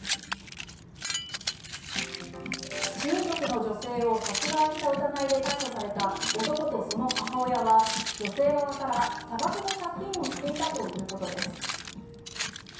親族の女性を殺害した疑いで逮捕された男とその母親は女性側から多額の借金をしていたということです。